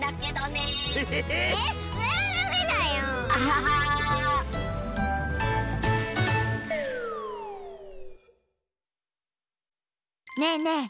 ねえねえ。